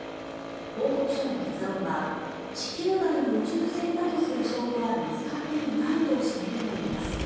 報告書の結論は地球外の宇宙船だとする証拠は見つかっていないとしているといいます。